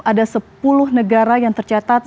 ada sepuluh negara yang tercatat